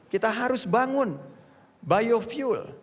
kita harus bangun biofuel